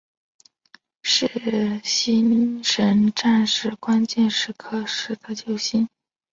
是星神战士关键时刻时的救星。